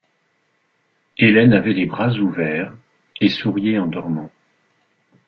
Hélène avait les bras ouverts, et souriait en dormant.